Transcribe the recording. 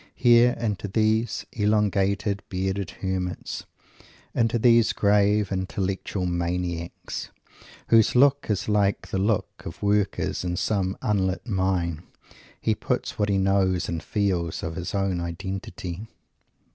Here, into these elongated, bearded hermits, into these grave, intellectual maniacs, whose look is like the look of Workers in some unlit Mine, he puts what he knows and feels of his own identity.